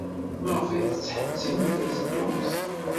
Maɣef ay tettḥettitemt ad teddumt?